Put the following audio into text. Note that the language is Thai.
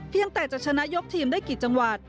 เพียงแต่จะชะนายกทีมได้กี่จังหว